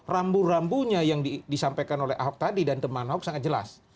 rambu rambunya yang disampaikan oleh ahok tadi dan teman ahok sangat jelas